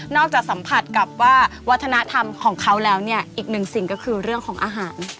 จากสัมผัสกับว่าวัฒนธรรมของเขาแล้วเนี่ยอีกหนึ่งสิ่งก็คือเรื่องของอาหาร